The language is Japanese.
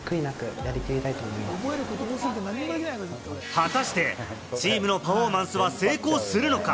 果たしてチームのパフォーマンスは成功するのか？